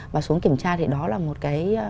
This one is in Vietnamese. và xuống kiểm tra thì đó là một cái